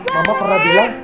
mama pernah bilang